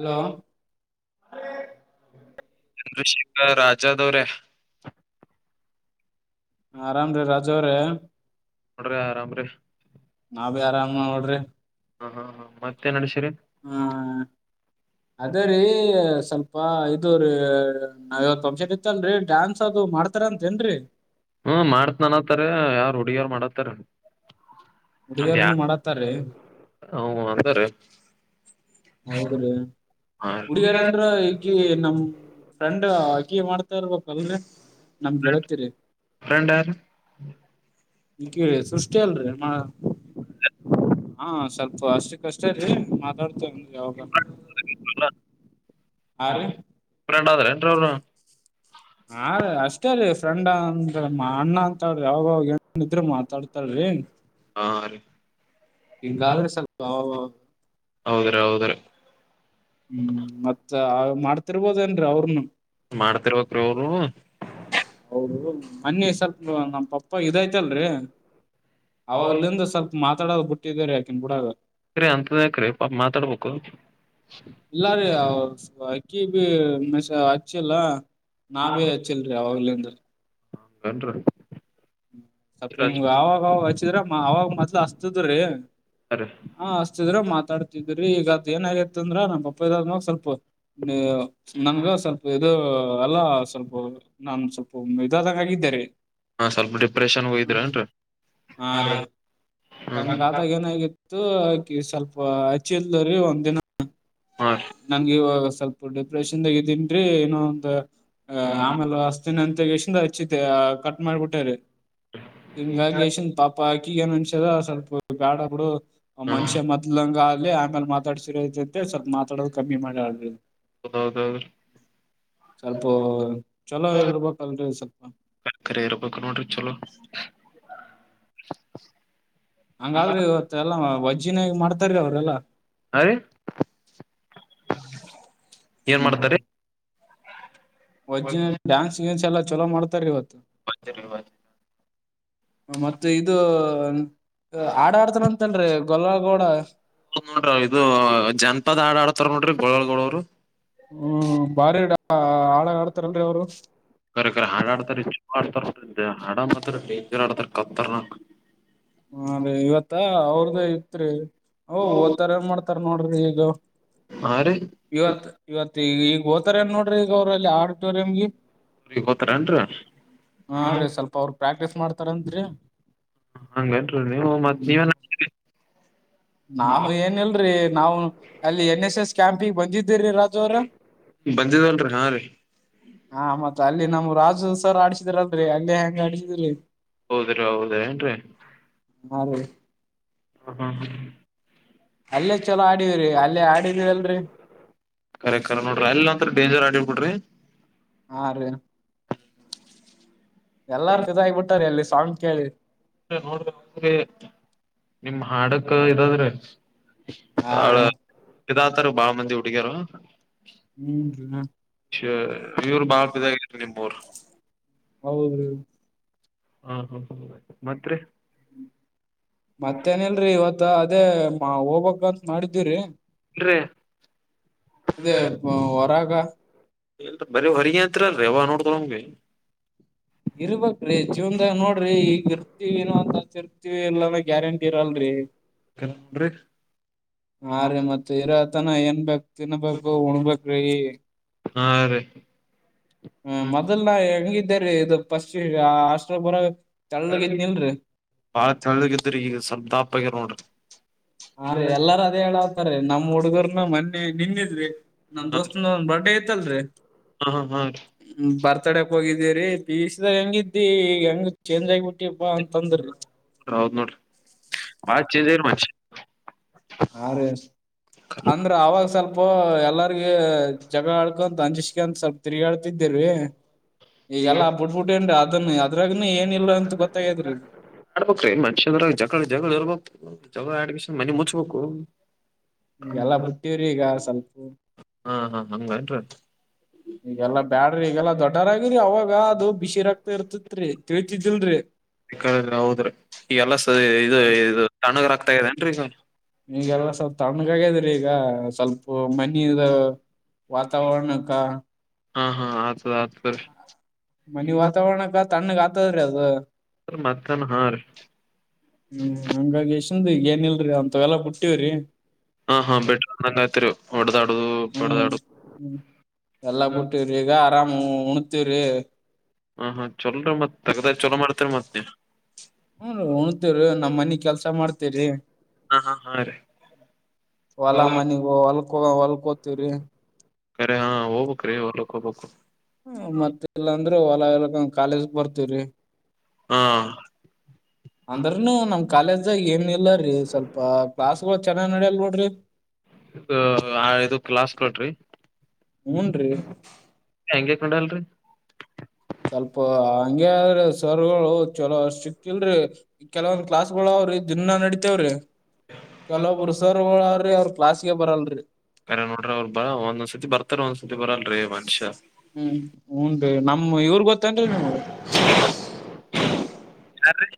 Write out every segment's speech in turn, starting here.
Hello ಹ್ಮ ಚಂದ್ರಶೇಖರ್ ರಾಜಾದ ಅವರ ಆರಾಮ್ರೀ ರಾಜ ಅವ್ರೆ ನೋಡ್ರಿ ಆರಾಮ್ರಿ ನಾವ ಬಿ ಆರಾಮ ನೋಡ್ರಿ ಹಾ ಹಾ ಹಾ ಮತ್ತೆ ನಡಸಿರಿ ಹ್ಮ ಅದ ರೀ ಸ್ವಲ್ಪ ಅಪಾ ಇದು ರೀ ನಾವ ಇವತ್ ಫಂಕ್ಷನ್ ಇತ್ತಲ್ರರಿ ಡ್ಯಾನ್ಸ್ ಅದು ಮಾಡ್ತಾರ ಅಂತ ಏನ್ರರಿ ಹ್ಮ್ ಮಾಡತ್ ನನತ್ತಾರ ಯಾರ್ ಹುಡುಗಿಯಾರ್ ಮಾಡತ್ತಾರ ಅದ ಹುಡುಗಿಯರ್ನು ಮಾಡತ್ತಾರ್ರಿ ಹ ಅಂದ್ರ ಹೌದ್ರೀ ಹುಡುಗೀರ ಅಂದ್ರ ಈಕಿ ನಮ ಫ್ರೆಂಡ್ ಹಕಿ ಮಾಡ್ತಾ ಇರ್ಬೇಕಲ್ರರಿ ನಮಗೆಳತ್ತೀರಿ ಫ್ರೆಂಡ್ ಯಾರ ಈ ಕೇಳಿ ಸೃಷ್ಟಿ ಅಲ್ರಿ ಹಾ ಹ ಹಾ ಸ್ವಲ್ಪ ಅಷ್ಟ ಕಷ್ಟ ಮಾತಾಡ್ತೇವ ಯಾವಾಗ ಹಾರಿ ದ್ರ ಎ ಅವರು ಹಾ ರೀ ಅಷ್ಟೇ ರೀ ಫ್ರೆಂಡ್ ಅಂದ್ರ ಅಣ್ಣ ಅಂತ್ರಿ ಯಾವಾಗಾಗ ಏನದ್ರರು ಮಾತಾಡ್ತಳ ರಿ ಹಾ ರೀ ಹಿಂಗಾದ್ರೆ ಸ್ವಲ್ಪ ಹೌದ್ರ ಹೌದ್ರ ಹ್ಮ್ ಮತ್ ಮಾಡ್ತಿರ್ಬೋದೇನ್ರಿ ಅವ್ರನು ಮಾಡ್ತಿರ್ಬೇಕ್ರ ಅವರು ಮನ್ನಿ ಸ್ವಲ್ಪ ನಮ್ಮ್ ಪಪ್ಪ ಇದಐ್ತಲ್ರಿ ಅವಾಗ್ಲಂದು ಸ್ವಲ್ಪ ಮಾತಾಡೋದು ಬಿಟ್ಟಿದೇ ರ ಆಕಿನ್ ಗುಡ ಕೀ ಅಂತದಕ್ರೀ ಮಾತಾಡ್ಬೇಕು ಇಲ್ಲ ರೀ ಅವ್ರ ಅಕ್ಕಿ ಬಿ ಮ ಅಚ್ಚಿಲ್ಲ ನಾವೇ ಅಚ್ಚಿಲ್ಲರಿ ಅವಾಗಲಂದ್ರೆ ಹೌದು ನ್ರಿ ಸ್ವಲ್ಪ ಅವಾಗ ಅವಾಗ ಹಚ್ಚಿದ್ರ ಅವವಾಗ ಮೊದ್ಲು ಹಚ್ಚತದ್ರೀ ಹಾ ಹ ಹಚಿದ್ರ ಮಾತಾಡ್ತಿದ್ರಿ ಈಗದ ಏನ ಆಗತ್ತ ಅಂದ್ರ ನಮ್ಮ ಅಪ್ಪ ಇದದ್ಮಾಗ ಸ್ವಲ್ಪ ನನ್ಗ ಸ್ವಲ್ಪ ಇದು ಅಲ್ಲ ಸ್ವಲ್ಪ ನಾನು ಸ್ವಲ್ಪ ಇದಾದಂಗ ಆಗಿದ್ದೇನೆ ಹಾ ಸ್ವಲ್ಪ ಡಿಪ್ರೆಷನ್ ಹೋಗಿದ್ರ ನ್ರಿ ಹಾ ಕಂಗಾದಾಗ ಏನಾಗಿತ್ತು ಆಕಿ ಸ್ವಲ್ಪ ಹಚ್ಚಿ ಇಲ್ದ್ರೀ ಒಂದ ದಿನ ಹ್ಮ ನಂಗೆ ಸ್ವಲ್ಪ ಡಿಪ್ರೆಷನ್ದಾಗ ಇದ್ದೀನ್ರಿ ಏನೋ ಒಂದು ಆಮೇಲೆ ತ ಎ ಹಚ್ಚ ಕಟ್ ಮಾಡ್ಕೊಟ್ಟೇರಿ ಹಿಂಗಾಗಿ ಎನ್ ಪಾಪ ಕಿಗಏನ್ ಅನ್ಷದ ಸ್ವಲ್ಪ ಗಾಡ ಬಿಡು ಹಾ ಮನುಷ್ಯ ಮೊದ್ಲಂಗ ಅಲ್ಲ ಆಮೇಲೆ ಮಾತಾಡ್ಸರಂತೆ ಸ್ವಲ್ಪ ಮಾತಾಡೋದ ಕಮ್ಮಿ ಮಾಡಿಯಾಳರೀ ಆ ಹೌದೌದೌದು ಸ್ವಲ್ಪ ಚಲೋ ಇರ್ಬೇಕಲ್ರರಿ ಸ್ವಲ್ಪ ಕರೆ ಇರ್ಬೇಕು ನೋಡ್ರಿ ಚಲೋ ಹಂಗಾದ್ರಿ ಇವತ್ತ ಎಲ್ಲಾ ವಜ್ಜನ್ಯಾಗ ಮಾಡ್ತಾರೀ ಅವ್ರೆಲ್ಲಾ ಹ ರೀ ಏನ್ ಮಾಡ್ತಾರೀ ವಜ್ಜಿನ ಡಾನ್ಸ್ ಗನ್ಸ್ ಎಲ್ಲ ಚಲೋ ಮಾಡ್ತಾರ ಇವತ್ತು ಮತ್ತೆ ಇದು ಆಡ ಆಡ್ತನ ಅಂತನ್ರರಿ ಗೊಲ್ಲ ಗೋಡ ನೋಡ್ರ ಇದು ಜನಪದ ಆಡ ಆಡ್ತಾರ ನೋಡ್ರಿ ಗೋಳಗಡವರು ಹ್ಮ್ ಬಾರಿಡ ಹಾಳಾಗ ಆಡ್ತಾರಲ್ರರಿ ಅವ್ರು ಕರಕ ಹಾಡಾ ಆಡ್ತಾರೆ ಚೂ ಆಡ್ತಾರ ಹಾಡ ಡೇಂಜರ್ ಆಡ್ತಾರ ಕತ್ತರ್ನ ಹಾ ರೀ ಇವತ್ತ ಅವ್ರದ ಇತ್ರಿ ಅ ಓದ್ತಾರ ಏನ್ ಮಾಡ್ತಾರ ನೋಡ್ರಿ ಈಗ ಹಾ ರೀ ಇವತ್ ಇವತ್ ಈಗ ಈಗ ಹೋತಾರ ಏನ್ ನೋಡ್ರಿ ಈಗ ಅವ್ರಲ್ಲಿ ಆಡಿಟೋರಿಯಂ ಊಗ್ ಹೋತಾರ ಅನ್ರ ಹಾ ರೀ ಸ್ವಲ್ಪ ಅವ್ರ ಪ್ರಾಕ್ಟೀಸ್ ಮಾಡ್ತಾರನ್ರಿ ಹಂಗೇನ್ರಿ ನೀವು ಮತ್ ನಾವ ಏನಲ್ರಿ ನಾವವು ಅಲ್ಲಿ ಎನ್ ಎಸ್ ಎಸ್ ಕ್ಯಾಂಪಿಗೆ ಬಂದಿದ್ದೀರಿಿ ರಾಜು ಅವ್ರ ಬಂದಿದ್ವಲ್ರರಿ ಹಾ ರೀ ಹಾ ಮತ್ತತ್ ಅಲ್ಲಿ ನಮ್ ರಾಜು ಸರ್ ಆಡ್ಸಿದ್ರಲ್ ಅಲ್ಲೇ ಹೆಂಗ ಆಡ್ಸಿದ್ರಿ ಹೌದ್ರೀ ಹೌದ ಏನ್ರೀ ಹಾ ರಿ ಹಾ ಹಾ ಹಾ ಅಲ್ಲೇ ಚಲೋ ಆಡಿವ್ರರಿ ಅಲ್ಲೇ ಆಡಿದೀವಿ ಅಲ್ರರಿ ಕರೆಕ್ಟ್ ಕರೆಕ್ಟ್ ನೋಡ್ರಿ ಅಲ್ಲಿ ಒಂತ್ ಡೇಂಜರ್ ಆಡಿಡ್ಬ ಬಿಡ್ರಿ ಹ ಎಲ್ಲಾರು ಸಜ ಆಗಬಿಟ್ಟಾರೆ ಅಲ್ಲಿ ಸಾಂಗ್ ಕೇಳಿ ನೋಡ್ರಿ ನಿಮ್ ಹಾಡಕ್ ಇದಾದ್ರೆ ಹಾ ರೀ ಯತಾರೆ ಬಾಳ ಮಂದಿ ಹುಡುಗ್ಯಾರ ಹ್ಮ್ ಅವರು ಬಾ ಇಂಪರ್ ಹೌದು ಹಾ ಹ ಹ್ಮ ಮತ್ತೆ ಮತ್ತೇನ ಇಲ್ರರಿ ಇವತ್ತ ಅದೇ ಹೋಗಬಕ್ಂತ ಮಾಡಿದವಿರರಿ ಹ ಅದೇ ಹೊರಾಗ ಇಲ್ ಬರ ಹೊರಿತ್ಲ್ ರೇವ ನೋಡತಂಗಗೆ ಇರ್ಬಕ್ ಜೀವನ್ದಾಗ ನೋಡ್ರಿ ಈಗ ಇರ್ತಿವಿಏ ಅಂತರ್ತಿವಿ ಎಲ್ಲಾನ ಗ್ಯಾರಂಟಿ ಇರಲ್ರಿ ನೋಡ್ರಿ ಹಾ ರೀ ಮತ್ತೆ ಇರತ್ ತನ ಏನ್ಬೇಕಕ್ ತಿನ್ಬೇಕು ಉಣಬೇಕ್ರಿ ಹಾ ರೀ. ಹ ಮೊದಲ್ನ ಹೆಂಗಿದ್ದೇರಿ ಇದು ಪಶ್ಚಿಮ ಆಷ್ಟ್ರಪುರ. ತೆಳ್ಳಗಿದ್ರಿ ಈಗ ಸ್ವಲ್ಪ ದಪ್ಪಗಿರ್ ನೋಡ್ರಿ. ಹಾ ಹ ರೀ ಎಲ್ಲಾರ ಅದೇ ಹೇಳತಾರ ನಮ್ ಹುಡುಗರ್ನ ಮೊನ್ನೆ ನಿನ್ನೀದ್ರು ರೀ. ನಮ್ ದೋಸ್ತನ ಒಂದ ಬರ್ಡೇ ಇತ್ತಲ್ರಿ. ಹಾ ಹಾ ಹಾ ರೀ. ಮಾತಡಕ್ ಹೋಗಿದ್ದೀರಿ ಪಿಯುಸ್ದಾಗ ಹೆಂಗಿದ್ದಿ ಈಗ ಹೆಂಗ ಚೇಂಜ್ ಆಗ ಬಿಟ್ಟಿಪ್ಪಾ ಅಂತ ಅಂದ್ರ ರೀ. ಹೌದ್ ನೋಡ್ರಿ ಬಾಳ್ ಚೇಂಜ್. ಹ ರೀ ಅಂದ್ರ ಅವಾಗ ಸ್ವಲ್ಪ. ಪ ಎಲ್ಲಾರ್ಗ ಜಗ ಆಳ್ಕೊಂತ ಅಂಜಿಸಿಕ ಅಂತ ಸ್ವಲ್ಪ ತಿರುಗಾಳ್ತಿದ್ದಿರಿ. ಈಗೆಲ್ಲಾ ಬಿಡ್ಬುಟ್ಟಿನ್ ಅದ ಅದ್ರಾಗನು ಏನ್ ಇಲ್ ಅಂತ ಗೊತ್ತಾಗಿದ್ರಿ. ಆಡ್ಬಕ್ರೀ ಮನುಷ್ಯ ಜಗಳ ಜಗಳ ಇರ್ಬೇಕು ಜಗಳ ಆ ಮನಿ ಮುಚ್ಬೇಕು. ಈಗೆಲ್ಲಾ ಬಿಟ್ಟವ್ರಿ ಈಗ ಸ್ವಲ್ಪ. ಹಾ ಹಾ ಹಂಗನ್ರಿ ಈಗೆಲ್ಲಾ ಬ್ಯಾಡ್ರಿ ಇಗೆಲ್ಲ ದೊಡ್ಡ. ದೊಡವ್ರು ಆಗಿವ್ರಿ ಅವಾಗ ಅದು ಬಿಸಿರಾಗ್ತಾ ಇರ್ತಿತ್ರಿ ತಿಳ್ತಿದಿಲ್ರರಿ. ಸಿಕ್ಕ ಹೌದ್ರಿ ಈ ಎಲ್ಲ ಸ ಇದು ಇ ತಣಗರ್ ಆಗ್ತಾ ಇದೆೇನ್ರಿ ಈಗ. ಈಗೆಲ್ಲ ಸ್ವಲ್ಪ ತಣ್ಣಗಾಗದ್ರಿ ಈಗ ಸ್ವಲ್ಪ ಮನಿದು. ವಾತಾವರಣಕ್ಕ. ಹಾ ಹಾ ಆತದ ಆತದರಿ. ಮನಿ ವಾತಾವರಣಕ್ಕ ತಣ್ಣಗ್ ಆತದ್ರೀ ಅದು. ಸ ಮತ್ತೆನ್ ಹಾ ರೀ. ನಂಬುವ್ ಬಿ ಏನ್ ಇಲ್ರರಿ ಅಂತತ್ವೆಲ್ಲ ಬಿಟ್ಟಿವ್ರಿ. ಹಾ ಹಾ [inaudible] ಹ್ಮ್ ಬಡದಾಡುದು ಹ್ಮ್ ಎಲ್ಲಾ ಬಿಟ್ಟ ರೀ ಈಗ ಆರಾಮ ಉಣ್ತಿವಿ ರೀ. ಹ ಹಾ ಚಲರಿ ಮತ್ ತಗದಾಗ ಚೊಲೋ ಮಾಡ್ತರಿ ಮತ್ ನೀ. ಹ ಉಣತಿವ ರೀ ನಮ್ಮ್ ಮನಿ ಕೆಲ್ಸ ಮಾಡ್ತೇವರಿ. ಹಾ ಹಾ ಹಾ ರೀ ಹೊಲ ಮನಿಗ ಹೊಲ್ಕೋ ಹೊಲ್ಕೋತೀವ್ರಿ. ಕರೆ ಹಾ ಹೋಗಬಬೇಕ್ರೀ ಹೊಲಕ್ ಹೋಗಬಬೇಕು. ಹ ಮತ್ತೆಲ್ಲಾ ಅಂದ್ರೆ ಹೊಲ ಎ ಕಾಲೇಜ ಬರ್ತವ್ರಿ. ಹಾ. ಕಾಲೇಜ ಏನಿ. ಇಲ್ಲರೀ ಸ್ವಲ್ಪ ಕ್ಲಾಸ್ಗಳು ಚೆನ್ನಾಗ್ ನಡಿಯಲ್ ನೋಡ್ರಿ. ಇದು ಕ್ಲಾಸ್ ಕೊಟ್ರಿ ಹೂ ನ್ರೀ. ನಡಲ್ರಿ. ಹಂಗಗೆ ಆದ್ರ ಸರ್ಗಳು ಚಲೋ ಅ ಸಿಕ್ಲ್ರಿ ಕೆಲವೊಂದ್ ಕ್ಲಾಸ್ ಗಳು ಅವ್ರಿ ದಿನ ನಡಿತೇವ್ರಿ. ಕೆಲವೊಬ್ಬರು ಸರುಗಳು ಅವ್ರಿ ಅವ್ರರು ಕ್ಲಾಸ್ಗೆ ಬರಲ್ರಿ. ಅರ ನೋಡ್ರಿ ಅವ್ರು ಬರ ಒಂದ್ ಸಸತಿ ಬರ್ತಾರ ಒಂದ್ ಸತಿ ಬರಲ್ರಿ ಮನುಷ್ಯ. ಹ್ಮ್ ಹೂ ರೀ ನಮ್ ಇವ್ರ ಗೊತ್ತೇನ್ರಿ ನೀಮಗ. ಯಾರ್ ರೀ.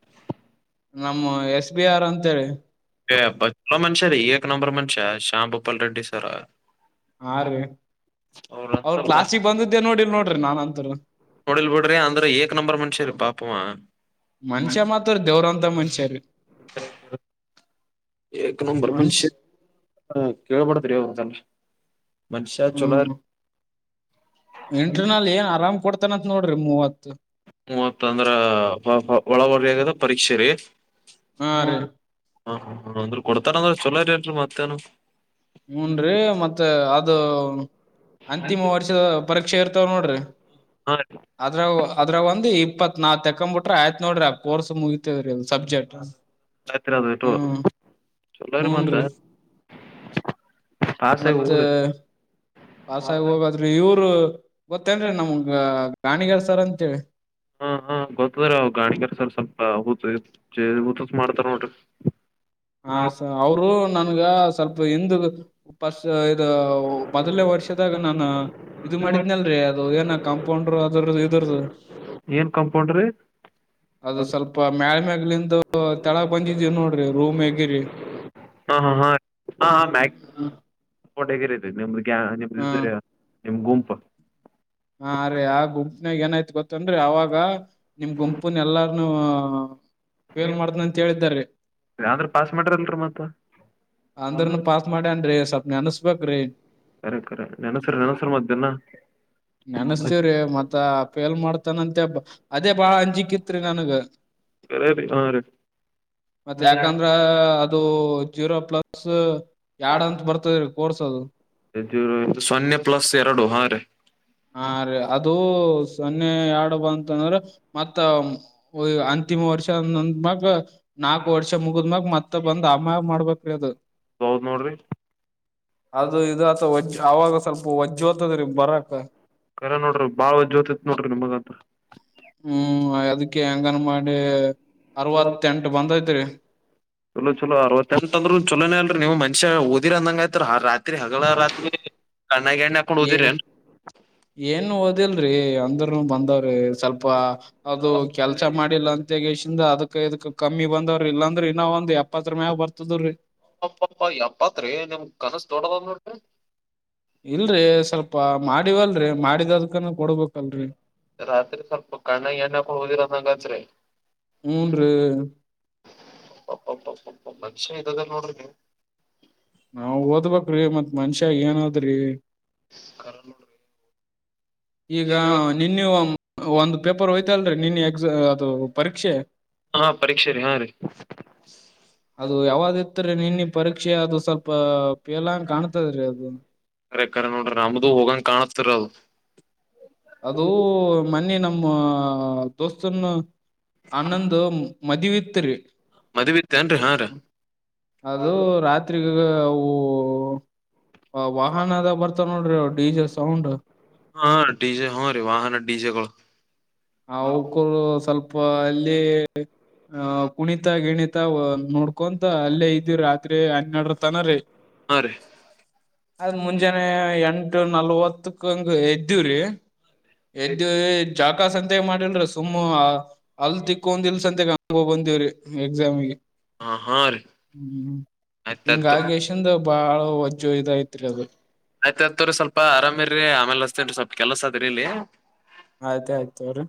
ನಮ್ಮ ಎಸ್ ಬಿ ಆರ್ ಅಂತೇಳಿ. ಬ ಮನುಷ್ಯ ರೀ ಏಕ್ ನಂಬರ್ ಮನುಷ್ಯ ಶ್ಯಾಮ್ ಭೂಪಾಲ್ ರೆಡ್ಡಿ ಸರ್. ಹಾ ರೀ ಅವರು ಕ್ಲಾಸಕ್ ಬಂದಿದ್ದೇ ನೋಡಿ ನೋಡ್ರಿ ನಾನಂತರು. ನೋಡಿಲ್ ಬಿಡ್ರಿ ಅಂದ್ರ ಏಕ್ ನಂಬರ್ ಮನುಷ್ಯ ರೀ ಪಾಪವ. ಮನುಷ್ಯ ಮಾತ್ರ ದೇವರಂತ ಮನುಷ್ಯ ರೀ. ಏಕ್ ನಂಬರ್ ಮನ್ಷ್ ಮನುಷ್ಯ ಹ ಕೇಳ್ಬಡ್ತರಿಂತಲ್. ಮನುಷ್ಯ್ಯಾ ಚೋಲಾರ. ಇನ್ಟ್ರನಲ್ ಏನ್ ಆರಾಮ್ ಕೊಡ್ತಾನಂತ್ ನೋಡ್ರಿ ಮೂವತ್ತು. ಮೂವತ್ ಅಂದ್ರ ಒಳ ಹೊರೆಯಾಗದ ಪರೀಕ್ಷೆ ರೀ. ಹಾ ರೀ. ಹಾ ಹ ಅಂದ್ರ ಕೊಡ್ತಾರಂದ್ರೆ ಚಲೋ ರೇ ಮತ್ತೇನ. ಹನ್ ಮತ್ತೆ ಅದು ಹಾ ಅಂತಿಮ ರೀ ವರ್ಷದ ಪರೀಕ್ಷೆ ಇರ್ತ ನೋಡ್ರಿ ಅದ್ರ ಅದ್ರ ಒಂದು ಇಪ್ಪತ್ವ್ ತಕೊ್ ಬಿಟ್ರ ಆಯ್ತ್ ನೋಡ್ರಿ ಆ ಕೋಸ್ ಮುಗಿತತವ್ರೀ ಸಬ್ಜೆಕ್ಟ್ ತ್ಟ ಹ್ಮ್ ಚಲ್ಲ್ರ ಮಾತ ಮತ್ತ ಪಾಸಗ ಹೋಗಾದ್ರೆ ಇವರು ಗೊತ್ತೇನ್ರೀ ನಮ್ಗ ಗಾಣಿಗಾರ್ ಸರ್ ಅಂತೇಳಿ ಹಾ ಹಾ ಗೊತ್ತದ್ರ ಅವ ಗಾಣಿಗರ ಸರ್ ಸ್ವಲ್ಪ ಊ ಊತತ್ ಮಾಡ್ತಾರ ನೋಡ್ರಿ ಹ ಸ ಅವರು ನನ್ಗ ಸ್ವಲ್ಪ ಎ ಪರ್ಸ್ ಇ ಮೊದಲನೇ ವರ್ಷದಾಗ ನಾನು ಇದು ಮಾಡಿದ್ನಲ್ರರಿ ಅದು ಏನ ಕಾಂಪೌಂಡರು ಅದರ ಇದರದು ಏನ್ ಕಂಪೌಂಡ್ರಿ ಅದು ಸ್ವಲ್ಪ ಮಳ ಮೇಾಗ ಅಲ್ಲಿಂದು ತಳ ಬಂಜಿದೀವಿ ನೋಡ್ರಿ ರೂಮ್ ಹೇಗಿರಿ ಹಾ ಹ ಹಾ ಹಾ ಹ ಆಯ್ತು ಹ ಕೋಟಗರದೆ ನಿಮ್ದ ನಿಮ್ದ್ರ ನಿಮ ಗುಂಪ ಹಾ ರೀ ಆ ಗುಂಪಿನಾಗ ಏನಾಯ್ತು ಗೊತ್ತಂದ್ರೆ ಅವಾಗ ನಿಮ್ ಗುಂಪುನ್ ಎಲ್ಲಾ ನಲ್ ಮಾಡ್ದನ ಅಂತ ಹೇಳಿದಾರೀ ಅಂದ್ರ ಪಾಸ್ ಮಾಡ್ರಲ್ರಿ ಮತ್ತ ಅಂದ್ರನು ಪಾಸ್ ಮಾಡ್ಯಾನ್ರೀ ಸ್ವಪ್ನ ಅನ್ಸ್ಬೇಕ್ರೀ ಕರೆ ಕರೆ ನೆನಸರು ನೆನಸರ್ ಮಧ್ಯಾಹ್ನ ನೆನ್ಸ್ತವ್ರಿ ಮತ್ತ ಪೇಲ್ ಮಾಡ್ತಾನಂತೆ ಅದೇ ಬಾಳ ಅಂಜಿಕಿತ್ರಿ ನನ್ಗ ಕರೆ ರೀ ಹಾ ರೀ ಮತ್ತೆ ಯಾಕಂದ್ರ ಅದು ಜೀರೋ ಪ್ಲಸ್ ಎರಡ್ ಅಂತ ಬರ್ತದೀ ಕೋರ್ಸ್ ಅದು ಸೊನ್ನೆ ಪ್ಲಸ್ ಎರಡು ಹಾ ರೀ ಹಾ ರಿ ಅದು ಸೊನ್ನೆ ಯರಡು ಬ ಅಂತಂದಂದ್ರೆ ಮತ್ತ ಅಂತಿಮ ವರ್ಷಂದ ಮ [unintelligible] ನಾಕುರ್ಷ ಮುಗಿದ್ಮ್ಯಾಗ ಮತ್ತ ಬಂದ್ ಅಮ್ಮಾಗ ಮಾಡ್ಬ್ರಿ ಅದು ಹೌದ್ ನೋಡ್ರಿ ಅದು ಇದುತ ಒೆ ಯಾವಾಗ ಸ್ವಲ್ಪ ವಜ್ಜ್ ದ್ತದ್ರರಿ ಬರಾಕ ಕರ ನೋಡ್ರಿ ಬಾವ ಜ್ಯೋತಿತ್ ನೋಡ್ರಿ ನಿಮಗಂತ ಹ್ಮ ಅ ಹೆಂಗನ್ ಮಾಡಿ ಅರವತ್ತೆಂಟು ಬಂದೈತ್ರಿ ಚಲೋ ಚಲ ಅವತ್ತತ್ ಎಂಟ ಅಂದ್ರು ಚಲೋನೇ ಅಲ್ರಿ ನೀವು ಮಷ ಓದಿ ಅಂದಂಗ ಆಯತ್ರಿ ರಾರಿ ರತ್ರಿ ಹಗಗಳ ರಾತ್ರಿ ಕಣ್ಣ ಗ ಎಣ್ಣ ಹಾಕೊಂಡು ಎ ಓದಿರಿ ಏನ್ ಓದಿಲ್ರಿ ಅಂದ್ರನು ಬಂದ ಅ ಸ್ವಲ್ಪ ಅದು ಕೆಲ್ಸ ಮಾಡಿ ಲ್ಲ ಅಂಗೇಶಿಂದ ಅದಕ್ ಇದಕ್ ಕಮ್ಮಿ ಬಂದವ್ರ ಇಲ್ಲಾಂದ್ರೆ ಇನ್ನ ಒಂದ್ ಎಪ್ಪತ್ ರ ಮ್ಯಾಗ ಬರ್ತದ್ರೀ ಅಪ್ಪಪ್ಪ ಯಪ್ಪತ್ರಿ ನಿಮ ಕನಸ ತೋಡದ ನೋಡ್ರಿ ಇಲ್ರರಿ ಸ್ವಲ್ಪ ಮಾಡಿವಲ್ರರಿ ಮಾಡಿದದ್ಕನ ಕೊಡ್ಬೇಕಲ್ರರಿ ರಾತ್ರಿ ಸ್ವಲ್ಪ ಕಣ್ಣ ಎಣ್ಣ ಕೊಂಡ ಓದಿರದಂಗತ್ರಿ ಮ ಮೂಂದು ಒನುಷ ಇದದ ನೋಡ್ರಿ ನಾವ್ ಓದ್ಬೇಕ್ರೀ ಮತ್ ಮನ್ಷ್ಯ ಏನದ್ರಿ ಕರಲುೂಡ್ರಿ ಈಗ ನಿನ್ನ ಒಂದು ಪೇಪರ್ ಹೋಯ್ತಲ್ರಿ ನಿನ್ನ ಎಕ್ಸಾ ಅದು ಪರೀಕ್ಷೆ [unintelligible] ಹಾ ಪರೀಕ್ಷೆ ರೀ ಹಾ ರೀ ಅದು ಯಾವ್ದಿತ್ರಿ ನಿನ್ನೆ ಪರೀಕ್ಷೆ ಅದು ಸ್ವಲ್ಪ ಪೇಲಂಗ ಕಾಣ್ತದ್ರಿ ಅದು ಅರ ಕರೆ ನೋಡ್ರಿ ನಮ್ದ ಹೋಗಂಗ ಕಾಣತಿರ ಅದು ಅದು ಮನ್ನಿ ನಮ್ಮ ದೋಸ್ತನ್ನು ಅನ್ನ್ಣಂದು ಮದವಿತ್ರು ಮದ್ುವತ್ತೇಏನ್ರಿ ಹಾ ರ ಅದು ರಾತ್ರಿಗ ವಾಹನ ಅದ ಬರ್ತ ನೋಡ್ರಿ ಡಿ ಜೆ ಸೌಂಡ್ ಹಾ ಡೀಜೆ ಹೂ ರೀ ವಾಹನ ಡೀಜೆಗಳು. ಆ ಅವಕ್ಕೂ ಸ್ವಲ್ಪ ಅಲ್ಲಿ ಅಹ ಕುಣಿತ ಗಿಣಿತ ನೋಡ್ಕೊಂತ ಅಲ್ಲೇ ಇದ್ದೀವ ರಾತ್ರಿ ಹನ್ನರಡರ್ತನ ರೀ. ಹಾ ರೀ ಆ ಮುಂಜಾನೆ ಎಂಟ ಎಂಟು ನಲ್ವತ್ತಕ್ಕಂಗ ಏದ್ದೇವ್ರೀ ಏದ್ದೇವೆ ಚಾ ಅಕ್ಕ ಸಂತೆಗ್ ಮಾಡಿಲ್ರಿ ಸುಮ್ಮ್ ಹಲ್ ತಿಕ್ಕೊಂಡಿಲ್ಲ ಸತೆಗ್ ಹಂಗ ಹೋಗಿ ಬಂದೇವ್ರಿ ಎಕ್ಸಾಮಗೆ ಹಾ ಹಾ ರೀ ಹ್ಮ್ ಆಯ್ತಾಯ್ತು ಹಿಂಗಾಗೇಶಂದ ಬಹಳ ಒಜ್ಜ ಇದು ಐತ್ರಿ ಅದು. ಆಯ್ತ್ ಆಯ್ತ್ ತೊಗೊರಿ ಸ್ವಲ್ಪ ಆರಾಮಿರಿ ಆಮೇಲೆ ಹಚ್ಚತೇನ್ರಿ ಸ್ವಲ್ಪ ಕೆಲಸ ಅದ್ರರಿ ಇಲ್ಲಿ. ಆಯ್ತ ಆಯ್ತು ತೊಗೊರಿ.